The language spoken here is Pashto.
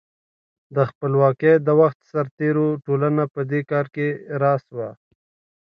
د خپلواکۍ د وخت سرتېرو ټولنه په دې کار کې راس وه.